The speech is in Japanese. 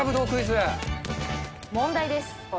問題です。